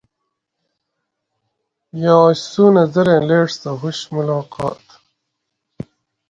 یہ آج سُونہ زریں لیٹ سہ ہُوشو ملاقات